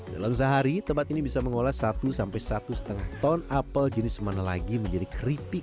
dalam sehari tempat ini bisa mengolah satu sampai satu lima ton apel jenis mana lagi menjadi keripik